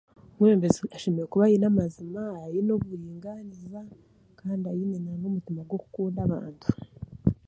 Omwebembezi ashemereire kuba ayeine amazima, ayine oburinganiza kandi ayine n'omutiima gw'okukunda abantu.